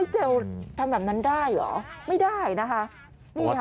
เจลทำแบบนั้นได้หรือไม่ได้นะคะ